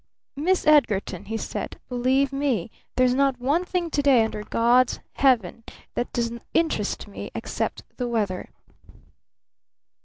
"Miss Edgarton," he said, "believe me, there's not one thing to day under God's heaven that does interest me except the weather!"